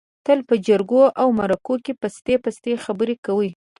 تل په جرگو او مرکو کې پستې پستې خبرې کوي.